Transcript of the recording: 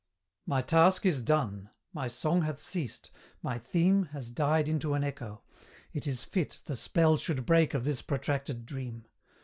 My task is done my song hath ceased my theme Has died into an echo; it is fit The spell should break of this protracted dream.